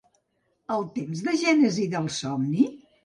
¿El temps de gènesi del somni?